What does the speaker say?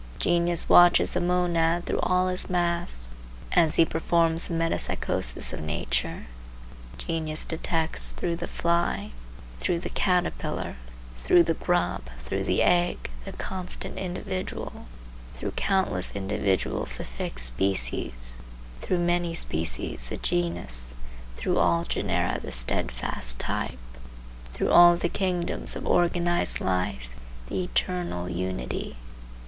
Genius watches the monad through all his masks as he performs the metempsychosis of nature. Genius detects through the fly, through the caterpillar, through the grub, through the egg, the constant individual; through countless individuals the fixed species; through many species the genus; through all genera the steadfast type; through all the kingdoms of organized life the eternal unity.